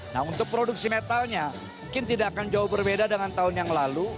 nah untuk produksi metalnya mungkin tidak akan jauh berbeda dengan tahun yang lalu